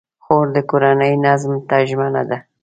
خور د کورنۍ نظم ته ژمنه ده.